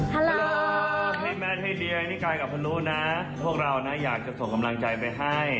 ฮัลโหลพี่แมทพี่เดียนี่กายกับฮารุนะพวกเราอยากจะส่งกำลังใจไปให้